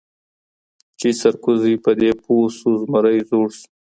چي سرکوزی په دې پوه سو زمری زوړ دی